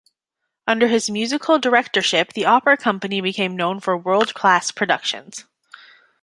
Under his musical directorship the opera company became known for world class productions.